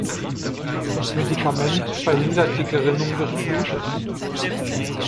Das Medikament verhindert die Gerinnung des Blutes.